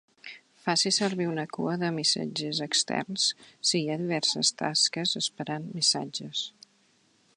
Faci servir una cua de missatges externs si hi ha diverses tasques esperant missatges.